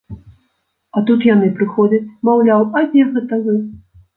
А тут яны прыходзяць, маўляў, а дзе гэта вы?